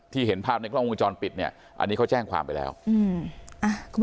เห็นภาพในกล้องวงจรปิดเนี่ยอันนี้เขาแจ้งความไปแล้วอืม